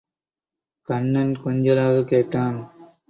கண்ணன் கொஞ்சலாக கேட்டான்.